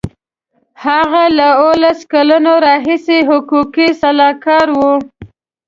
هغه له اوولس کلونو راهیسې حقوقي سلاکار و.